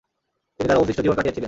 তিনি তাঁর অবশিষ্ট জীবন কাটিয়েছিলেন।